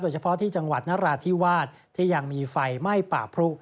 เฉพาะที่จังหวัดนราธิวาสที่ยังมีไฟไหม้ป่าพรุ